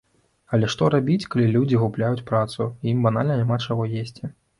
Але што рабіць, калі людзі губляюць працу, і ім банальна няма чаго есці?